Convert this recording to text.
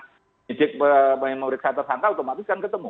penyidik memeriksa tersangka otomatis kan ketemu